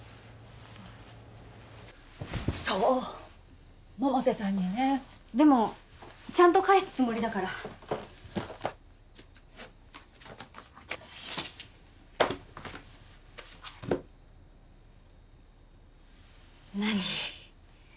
そう百瀬さんにねでもちゃんと返すつもりだから何？